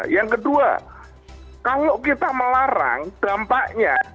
yang kedua kalau kita melarang dampaknya